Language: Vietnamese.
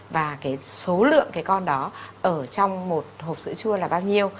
và cái số lượng cái con đó ở trong một hộp sữa chua là bao nhiêu